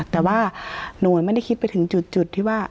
แต่ว่าหนูไม่ได้คิดไปถึงจุดที่ว่า